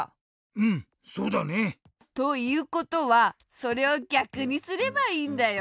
うんそうだね。ということはそれをぎゃくにすればいいんだよ。